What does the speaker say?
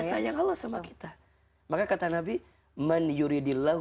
tanda sayang allah sama kita